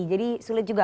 jadi sulit juga